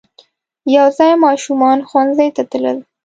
یو ځای ماشومان ښوونځی ته تلل.